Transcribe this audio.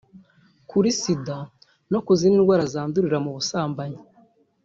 kuri sida no kuzindi ndwara zandurira mu busambanyi